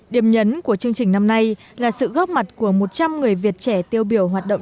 điểm nhấn của chương trình năm nay là sự góp mặt của một trăm linh người việt trẻ tiêu biểu hoạt động